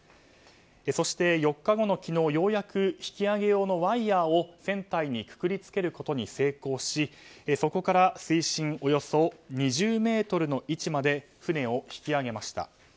そして、４日後の昨日ようやく引き上げ用のワイヤを船体にくくりつけることに成功しそこから水深およそ２０ｍの位置まで船を引き揚げました。